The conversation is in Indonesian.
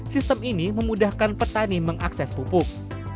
sistem ini memudahkan petani mengakses pupuk